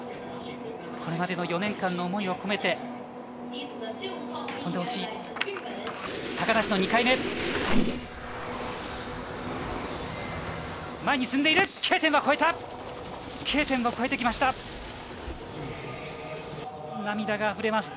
これまでの４年間の思いを込めて飛んでほしい。